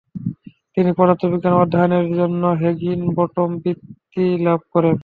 তিনি পদার্থবিজ্ঞানে অধ্যয়নের জন্য হেগিনবটম বৃত্তি লাভ করেন।